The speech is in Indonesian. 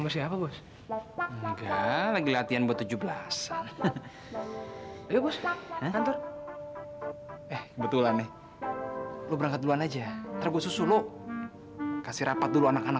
sampai jumpa future saya